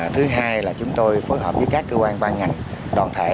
thứ hai là chúng tôi phối hợp với các cơ quan ban ngành đoàn thể